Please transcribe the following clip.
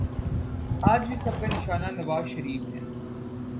آج بھی سب کا نشانہ نوازشریف ہیں۔